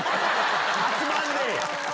集まんねぇよ。